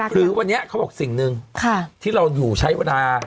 หรือวันนี้เขาบอกสิ่งหนึ่งที่เราอยู่ใช้เวลา